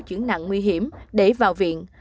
chuyển nặng nguy hiểm để vào viện